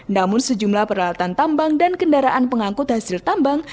namun sejumlah peralatan tambang dan kendaraan pengangkut hasil tambang